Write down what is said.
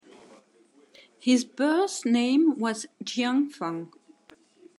His birth name was Jiang Fang.